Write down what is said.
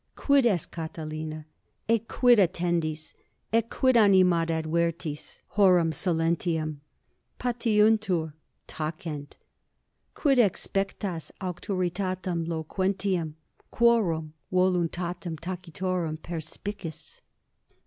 Quid est, Catilina? ecquid attendis, ecquid animadvertis horum silentium? Patiuntur, tacent. Quid exspectas auctoritatem loquentium, quorum voluntatem tacitorum perspicis?